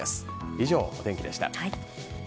以上、お天気でした。